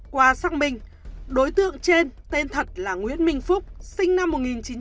qua xác minh đối tượng trên tên thật là nguyễn minh phúc sinh năm một nghìn chín trăm tám mươi